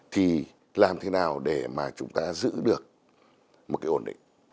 thì làm thế nào để mà chúng ta giữ được một cái ổn định